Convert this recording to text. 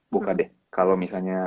buka deh kalo misalnya